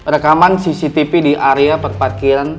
rekaman cctv di area perparkiran